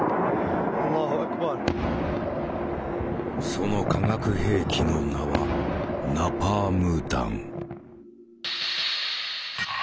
その化学兵器の名はナパーム弾。